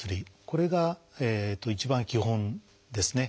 これが一番基本ですね。